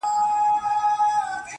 o ناګهانه یې د بخت کاسه چپه سوه,